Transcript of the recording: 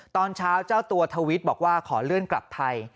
ตอนเช้าเจ้าตัวทวิตบอกว่าขอเลื่อนกลับไทย